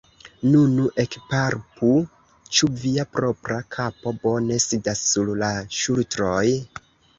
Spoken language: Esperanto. Nu, nu, ekpalpu, ĉu via propra kapo bone sidas sur la ŝultroj?